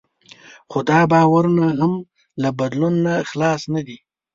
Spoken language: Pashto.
خو دا باورونه هم له بدلون نه خلاص نه دي.